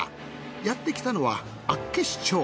やってきたのは厚岸町。